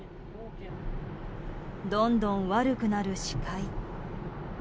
どんどん悪くなる視界。